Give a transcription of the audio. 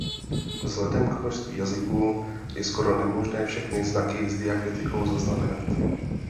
Vzhledem k množství jazyků je skoro nemožné všechny znaky s diakritikou zaznamenat.